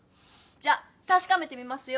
じゃたしかめてみますよ！